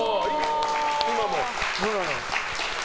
今も？